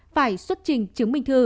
phải xuất trình chứng minh thư